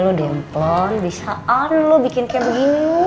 lo diam pelan bisaan lo bikin kayak begini